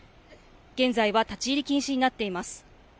現在は立ち入り禁止になっています。